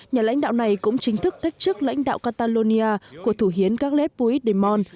nhà lãnh đạo này cũng chính thức thách chức lãnh đạo catalonia của thủ hiến gareth puigdemont